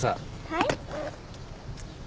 はい。